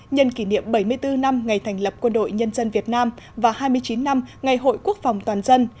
nhân kỷ niệm bảy mươi bốn năm ngày thành lập quân đội nhân dân việt nam và hai mươi chín năm ngày hội quốc phòng toàn dân